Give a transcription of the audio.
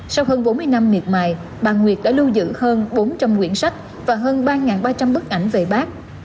sau hơn bốn mươi năm miệt mài bà nguyệt đã lưu giữ hơn bốn trăm linh nguyễn sách và hơn ba ba trăm linh bức ảnh về bác